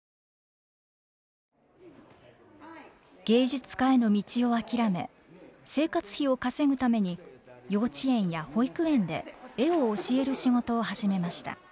芸術家への道を諦め生活費を稼ぐために幼稚園や保育園で絵を教える仕事を始めました。